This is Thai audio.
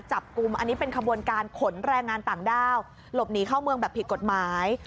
จับกลุ่มอันนี้เป็นขบวนการขนแรงงานต่างด้าวหลบหนีเข้าเมืองแบบผิดกฎหมาย